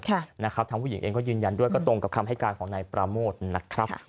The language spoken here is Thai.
ทางนะครับทางผู้หญิงเองก็ยืนยันด้วยก็ตรงกับคำให้การของนายปราโมทนะครับ